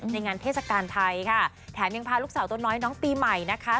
ในงานเทศกาลไทยค่ะแถมยังพาลูกสาวตัวน้อยน้องปีใหม่นะคะ